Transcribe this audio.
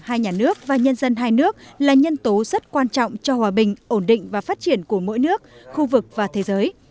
hai nhà nước và nhân dân hai nước là nhân tố rất quan trọng cho hòa bình ổn định và phát triển của mỗi nước khu vực và thế giới